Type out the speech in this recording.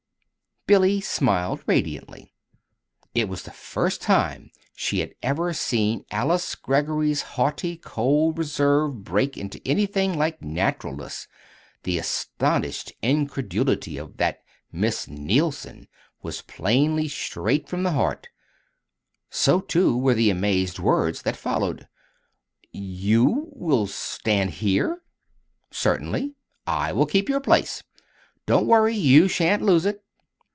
_" Billy smiled radiantly. It was the first time she had ever seen Alice Greggory's haughtily cold reserve break into anything like naturalness the astonished incredulity of that "Miss Neilson!" was plainly straight from the heart; so, too, were the amazed words that followed. "You will stand here?" "Certainly; I will keep your place. Don't worry. You sha'n't lose it."